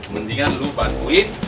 mendingan lu bantuin